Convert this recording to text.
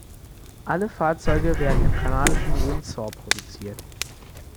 Alle Fahrzeuge werden im kanadischen Windsor produziert.